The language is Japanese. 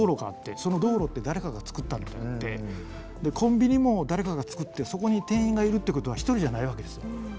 その道路って誰かがつくったのとかってコンビニも誰かがつくってそこに店員がいるってことは一人じゃないわけですよ。